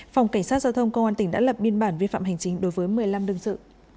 phòng cảnh sát giao thông công an tp bắc giang đã lập biên bản vi phạm hành chính đối với một mươi năm đương sự